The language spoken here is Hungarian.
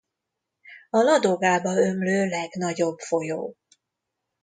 A Ladogába ömlő legnagyobb folyó.